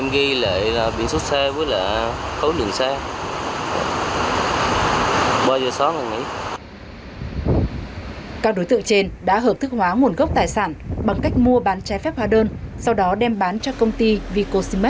chín giờ là bắt đầu múc em ghi lại là biển xuất xe với là khối đường xe